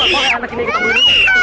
mas maulai anak ini kita bintang